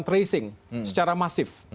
tracing secara masif